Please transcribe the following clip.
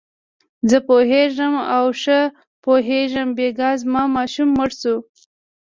زه پوهېږم او ښه پوهېږم، بېګا زما ماشوم مړ شو.